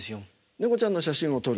猫ちゃんの写真を撮る。